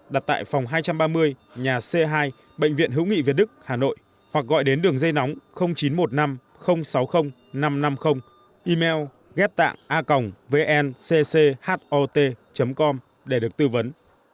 đặt tại phòng hai trăm ba mươi nhà c hai bệnh viện hữu nghị việt đức hà nội hoặc gọi đến đường dây nóng chín trăm một mươi năm sáu mươi năm trăm năm mươi email ghép tạng a g vncch hot com để được tư vấn